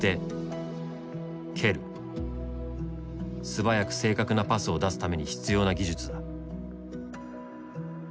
素早く正確なパスを出すために必要な技術だ。